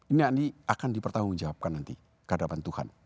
ini akan dipertanggung jawabkan nanti kehadapan tuhan